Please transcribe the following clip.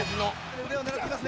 腕を狙っていますね。